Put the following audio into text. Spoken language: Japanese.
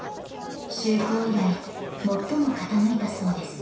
就航以来、最も傾いたそうです。